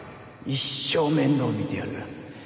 一生面倒見てやる。